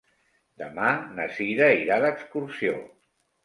Demà na Cira irà d'excursió.